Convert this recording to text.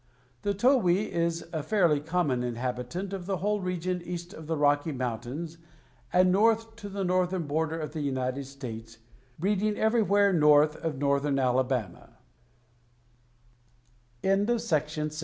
The towhee is a fairly common inhabitant of the whole region east of the Rocky Mountains and north to the northern border of the United States, breeding everywhere north of northern Alabama. WEE BABIES. ELLA F.